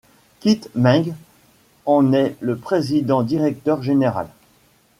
Kith Meng en est le président-directeur général.